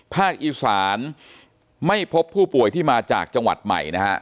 ภาคอีสานไม่พบผู้ป่วยที่มาจากจังหวัดใหม่นะฮะ